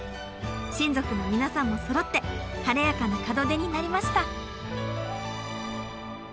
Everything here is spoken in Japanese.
親族の皆さんもそろって晴れやかな門出になりました！